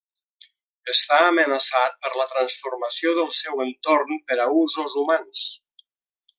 Està amenaçat per la transformació del seu entorn per a usos humans.